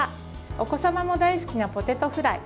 お子様も大好きなポテトフライ。